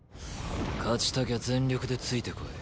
勝ちたきゃ全力でついてこい。